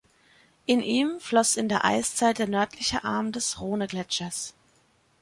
In ihm floss in der Eiszeit der nördliche Arm des Rhonegletschers.